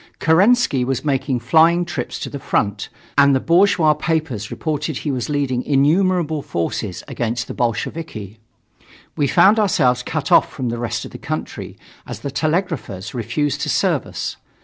Kerensky was making flying trips to the front, and the bourgeois papers reported that he was leading innumerable forces against the Bolsheviki. We found ourselves cut off from the rest of the country, as the telegraphers refused to serve us.